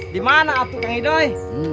dimana aku kang idoi